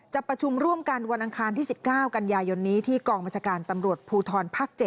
จะประชุมร่วมการวนอังคารที่๑๙กันยายนที่กลมจการตำรวจภูทรภ๗